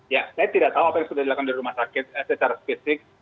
ya saya tidak tahu apa yang sudah dilakukan di rumah sakit secara spesifik